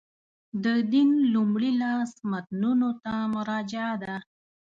د دین لومړي لاس متنونو ته مراجعه ده.